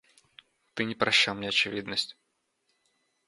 Ты не прощал мне очевидность.